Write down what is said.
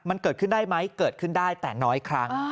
มันเกิดขึ้นได้ไหมเกิดขึ้นได้แต่น้อยครั้ง